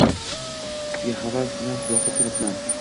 Sizga havas bilan boqib turibman